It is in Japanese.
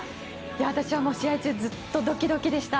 私は試合中ずっとドキドキでした。